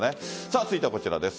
続いてはこちらです。